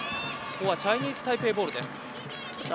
ここは、チャイニーズタイペイボールです。